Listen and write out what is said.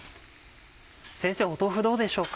先生豆腐どうでしょうか？